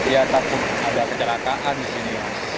ya takut ada kecelakaan di sini